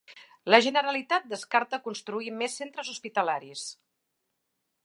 La Generalitat descarta construir més centres hospitalaris